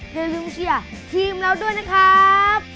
อย่าลืมเชียร์ทีมเราด้วยนะครับ